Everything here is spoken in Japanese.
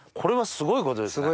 すごいことですね。